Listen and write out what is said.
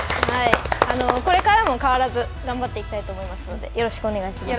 これからも変わらず、頑張っていきたいと思いますのでよろしくお願いします。